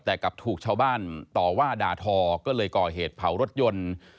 แต่กลับถูกชาวบ้านต่อว่าด่าทอก็เลยก่อเหตุเผารถยนต์